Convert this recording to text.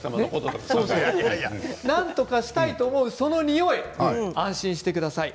なんとかしたいそのにおい安心してください。